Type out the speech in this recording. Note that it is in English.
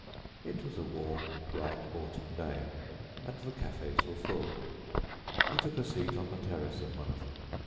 It was a warm, bright autumn day, and the cafés were full. He took a seat on the terrace of one of them.